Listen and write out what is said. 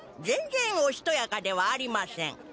全然おしとやかではありません。